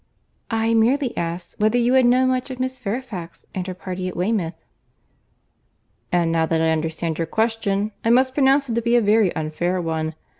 "I merely asked, whether you had known much of Miss Fairfax and her party at Weymouth." "And now that I understand your question, I must pronounce it to be a very unfair one.